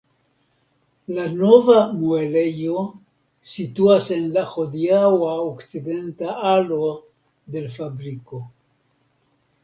La nova muelejo situas en la hodiaŭa okcidenta alo de l' fabriko.